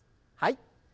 はい。